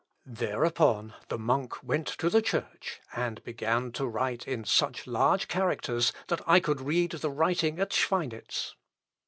Thereupon the monk went to the church, and began to write in such large characters, that I could read the writing at Schweinitz.